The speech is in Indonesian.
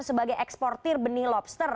sebagai eksportir benih lobster